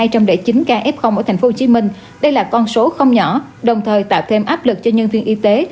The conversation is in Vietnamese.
với ca f ở tp hcm đây là con số không nhỏ đồng thời tạo thêm áp lực cho nhân viên y tế